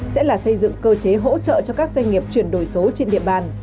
sẽ là xây dựng cơ chế hỗ trợ cho các doanh nghiệp chuyển đổi số trên địa bàn